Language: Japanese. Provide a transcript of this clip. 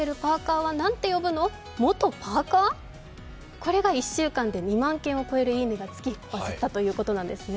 これが１週間で２万件を超えるいいねがつき、バズったということなんですね。